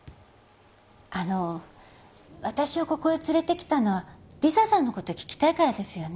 あの私をここへ連れてきたのは理沙さんの事を聞きたいからですよね？